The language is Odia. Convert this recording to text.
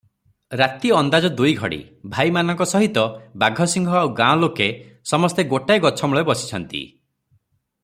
ରାତି ଅନ୍ଦାଜ ଦୁଇଘଡ଼ି, ଭାଇମାନଙ୍କ ସହିତ ବାଘସିଂହ ଆଉ ଗାଁଲୋକେ ସମସ୍ତେ ଗୋଟାଏ ଗଛମୂଳେ ବସିଛନ୍ତି ।